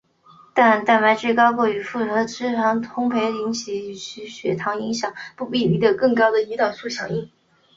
但高蛋白食物与富含脂肪的烘培食物引起与其血糖响应不成比例的的更高的胰岛素响应。